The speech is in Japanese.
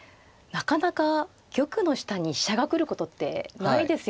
なかなか玉の下に飛車が来ることってないですよね。